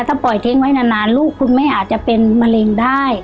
ถ้าปล่อยทิ้งไว้นานลูกคุณแม่อาจจะเป็นมะเร็งได้